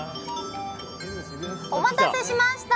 お待たせしました。